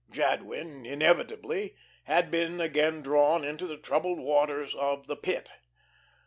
Jadwin, inevitably, had been again drawn into the troubled waters of the Pit.